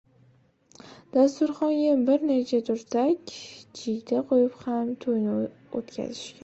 Dasturxonga bir necha turshak, jiyda qo‘yib ham to‘yni o‘tkazishgan.